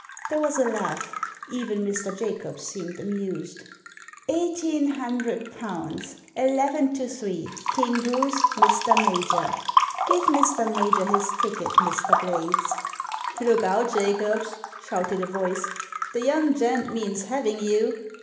There was a laugh. Even Mr. Jacobs seemed amused. " Eighteen hundred pounds, eleven to three, King Bruce, Mr. Major. Give Mr. Major his ticket, Mr. Blades." " Look out, Jacobs," shouted a voice, " the young gent means having you."